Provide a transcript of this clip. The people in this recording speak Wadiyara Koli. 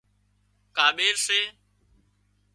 ڪاٻير سي